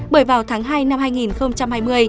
bởi vào tháng hai năm hai nghìn hai mươi